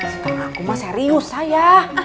setengah aku mah serius saya